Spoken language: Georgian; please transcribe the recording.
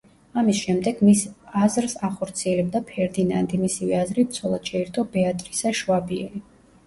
ამის შემდეგ მის აზრს ახორციელებდა ფერდინანდი, მისივე აზრით ცოლად შეირთო ბეატრისა შვაბიელი.